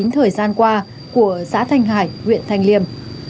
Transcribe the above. thời gian qua của xã thanh hải huyện thanh liêm